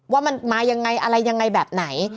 ว่ามันมายังไงอะไรยังไงแบบไหน